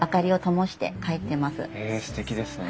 へえすてきですね。